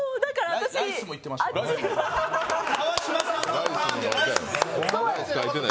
ライスもいってましたよね。